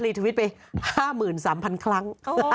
ลีดทวิตไป๕หมื่น๓พันครั้ง